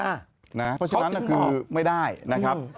เพราะฉะนั้นคือไม่ได้นะครับ